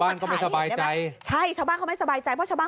บ้านก็ไม่สบายใจใช่ชาวบ้านเขาไม่สบายใจเพราะชาวบ้าน